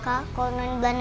ada di situ lagi